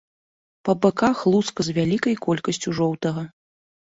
Па баках луска з вялікай колькасцю жоўтага.